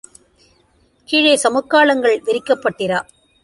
கீழே சமுக்காளங்கள் விரிக்கப்பட்டிரா.